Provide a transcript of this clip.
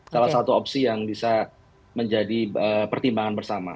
salah satu opsi yang bisa menjadi pertimbangan bersama